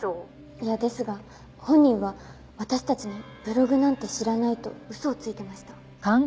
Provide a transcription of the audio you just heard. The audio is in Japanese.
いやですが本人は私たちにブログなんて知らないと嘘をついてました。